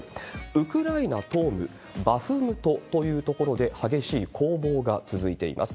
ウクライナ東部バフムトという所で、激しい攻防が続いています。